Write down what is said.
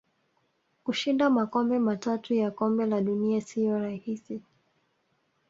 Kushinda makombe matatu ya kombe la dunia siyo rahisi